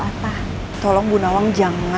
sampai jumpa di video selanjutnya